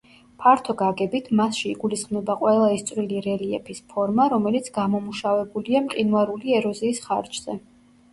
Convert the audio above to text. ფართო გაგებით, მასში იგულისხმება ყველა ის წვრილი რელიეფის ფორმა, რომელიც გამომუშავებულია მყინვარული ეროზიის ხარჯზე.